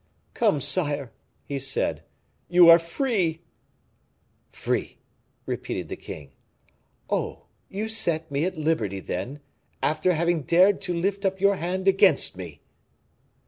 "Come, sire," he said, "you are free." "Free?" repeated the king. "Oh! you set me at liberty, then, after having dared to lift up your hand against me."